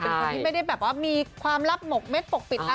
เป็นคนที่ไม่ได้แบบว่ามีความลับหมกเม็ดปกปิดอะไร